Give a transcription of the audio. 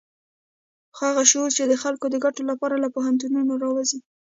هغه شعور چې د خلکو د ګټو لپاره له پوهنتونونو راوزي.